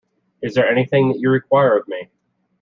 Is there anything that you require of me?